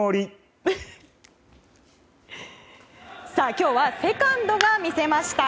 今日はセカンドが見せました。